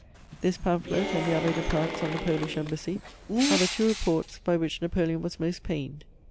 _ This pamphlet and the Abbé de Pradt's on the Polish Embassy are the two reports by which Napoleon was most pained.